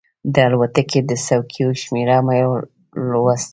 د الوتکې د څوکیو شمېره مې لوستله.